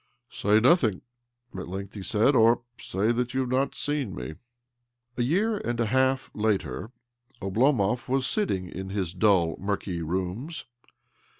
" Say nothing," at length he said. " Or say that you have not seen me. ...'' A year and a half later Oblomov was sitting in his dull, murky rooms.